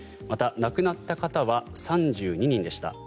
また、亡くなった方は３２人でした。